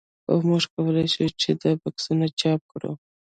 هو موږ کولی شو دا په بکسونو چاپ کړو